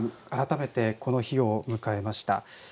改めて、この日を迎えました。